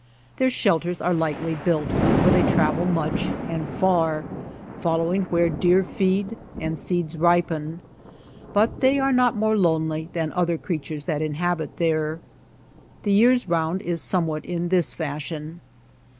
Their shelters are lightly built, for they travel much and far, following where deer feed and seeds ripen, but they are not more lonely than other creatures that inhabit there. The year's round is somewhat in this fashion.